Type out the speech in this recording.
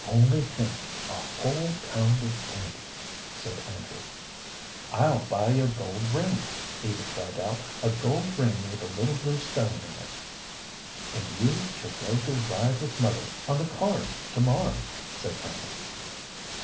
"Only think, a whole pound of candy!" said Andrew. "I'll buy you a gold ring," Eva cried out "a gold ring with a little blue stone in it." "And you shall go to ride with mother on the cars to morrow," said Fanny.